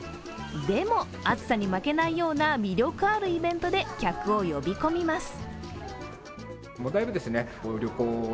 でも、暑さに負けないような魅力あるイベントで客を呼び込みます。